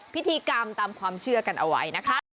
พิธีกรรมตามความเชื่อกันเอาไว้นะคะ